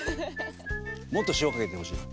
もっと塩かけてほしい。